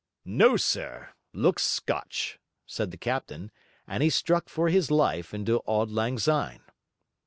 'No, sir! Looks Scotch,' said the captain; and he struck, for his life, into 'Auld Lang Syne.'